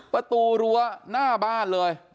ประตูรั้วหน้าบ้านเลย